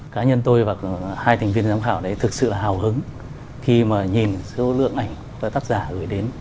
cá nhân tôi và hai thành viên giám khảo đấy thực sự hào hứng khi mà nhìn số lượng ảnh và tác giả gửi đến